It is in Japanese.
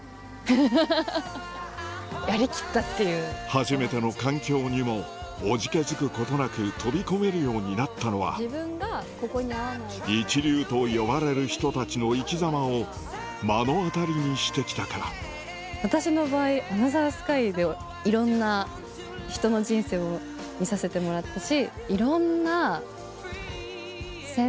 初めての環境にもおじけづくことなく飛び込めるようになったのは一流と呼ばれる人たちの生きざまを目の当たりにしてきたから私の場合『アナザースカイ』でいろんな人の人生を見させてもらったし。